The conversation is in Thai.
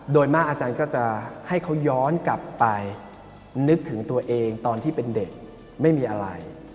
โดยมากอาจารย์ก็จะให้เขาย้อนกลับไปนึกถึงตัวเองตอนที่เป็นเด็กไม่มีอะไร